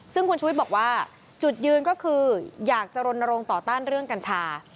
ซึ่งคุณชุวิตบอกว่าจุดยืนก็คืออยากจะรณรงค์ต่อต้านเรื่องกัญชา